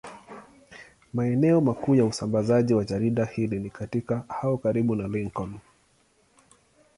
Maeneo makuu ya usambazaji wa jarida hili ni katika au karibu na Lincoln.